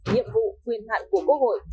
nhiệm vụ quyền hạn của quốc hội